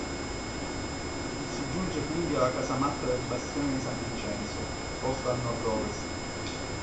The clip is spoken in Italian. Si giunge quindi alla casamatta del bastione di San Vincenzo, posta a nord-ovest.